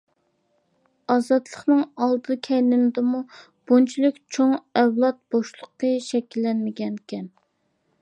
ئازادلىقنىڭ ئالدى كەينىدىمۇ بۇنچىلىك چوڭ ئەۋلاد بوشلۇقى شەكىللەنمىگەن.